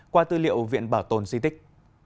qua tư liệu viện bảo tồn di tích